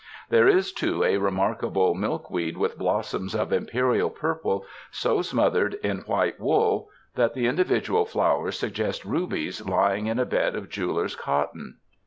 There is, too, a remarkable milkweed with blossoms of im perial purple so smothered in white wool that the individual flowers suggest rubies lying in a bed of jeweler's cotton.